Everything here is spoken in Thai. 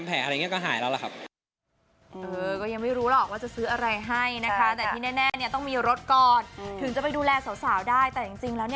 เป็นไงครับเขาก็เป็นหัวเนอะ